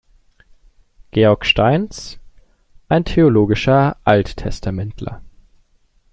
Georg Steins: "Ein theologischer Alttestamentler.